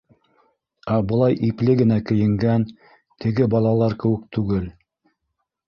Ә былай ипле генә кейенгән, теге балалар кеүек түгел.